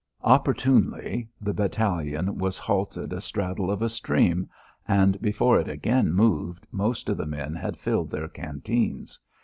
Opportunely, the battalion was halted a straddle of a stream, and before it again moved, most of the men had filled their canteens.